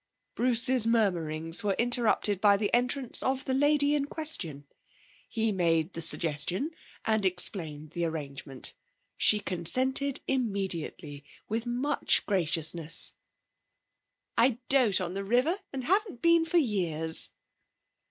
Bruce's murmurings were interrupted by the entrance of the lady in question. He made the suggestion, and explained the arrangement. She consented immediately with much graciousness. 'I dote on the river, and haven't been for years.'